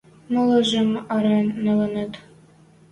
Молыжым ӓрен нӓлӹнӹт...